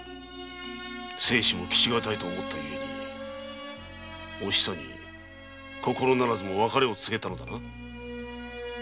生死も期しがたいと思ったゆえおひさに心ならずも別れを告げたのだな？